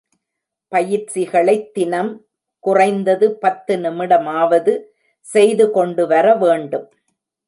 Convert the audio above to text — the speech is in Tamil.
பயிற்சிகளைத் தினம் குறைந்தது பத்து நிமிடமாவது செய்து கொண்டு வர வேண்டும்.